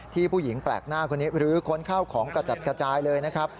ผู้หญิงแปลกหน้าคนนี้รื้อค้นข้าวของกระจัดกระจายเลยนะครับ